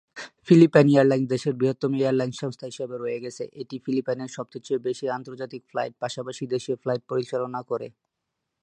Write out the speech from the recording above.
Philippine airlines দেশের বৃহত্তম airline সংস্থা হিসাবে রয়ে গেছে, এটি ফিলিপাইনে সবচেয়ে বেশি আন্তর্জাতিক ফ্লাইট পাশাপাশি দেশীয় ফ্লাইট পরিচালনা করে।